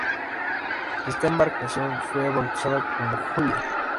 Esta embarcación fue bautizada como "Julia".